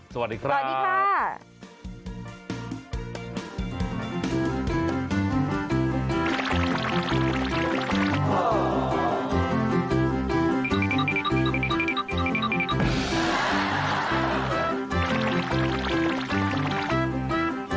สวัสดีครับ